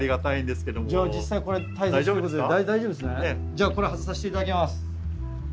じゃあこれ外させて頂きます。